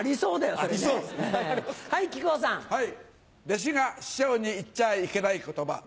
弟子が師匠に言っちゃいけない言葉。